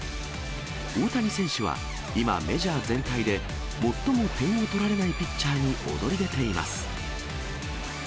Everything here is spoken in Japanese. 大谷選手は、今、メジャー全体で最も点を取られないピッチャーに躍り出ています。